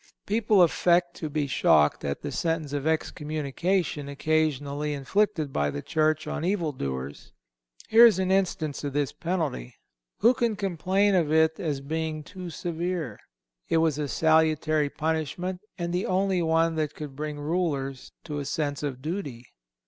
People affect to be shocked at the sentence of ex communication occasionally inflicted by the Church on evil doers. Here is an instance of this penalty. Who can complain of it as being too severe? It was a salutary punishment and the only one that could bring rulers to a sense of duty.